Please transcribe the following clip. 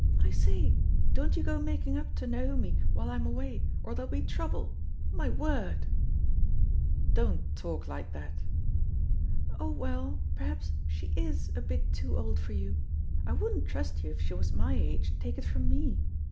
I say I don't you go making up to Naomi while I'm away or there'll be trouble. My word 1" "Don't talk like that r "Oh, well, perhaps she is a bit too old for you I — I wouldn't trust you if she was my age, take it from me.